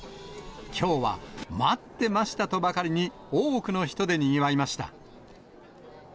きょうは待ってましたとばかりに、多くの人でにぎわいました。